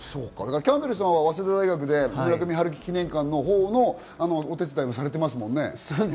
キャンベルさんは早稲田大学で村上春樹記念館のほうのお手伝いもされてますもんね。